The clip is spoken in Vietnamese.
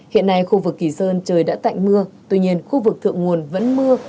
hiện nay khu vực kỳ sơn trời đã tạnh mưa tuy nhiên khu vực thượng nguồn vẫn mưa